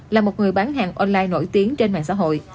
là một người bán hàng online nổi tiếng trên mạng xã hội